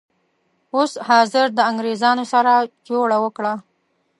اوس حاضر د انګریزانو سره جوړه وکړه.